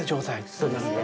そうですね。